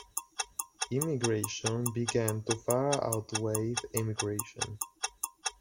Immigration began to far outweigh emigration.